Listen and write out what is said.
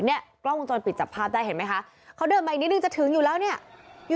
เนี่ยกล้องวงจรปิดจับภาพได้เห็นไหมคะเขาเดินมาอีกนิดนึงจะถึงอยู่แล้วเนี่ย